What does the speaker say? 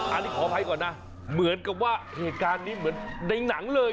อันนี้ขออภัยก่อนนะเหมือนกับว่าเหตุการณ์นี้เหมือนในหนังเลย